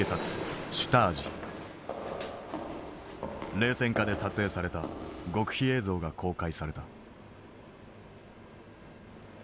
冷戦下で撮影された極秘映像が公開された。